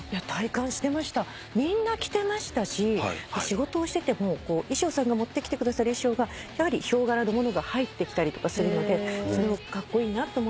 みんな着てましたし仕事をしてても衣装さんが持ってきてくださる衣装がやはりヒョウ柄のものが入ってきたりとかするのでそれをカッコイイなと思って着たり。